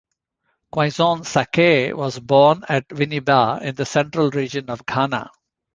Quaison-Sackey was born at Winneba in the Central Region of Ghana.